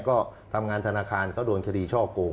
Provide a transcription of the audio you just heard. ก็ทำงานธนาคารก็โดนคดีช่อโกง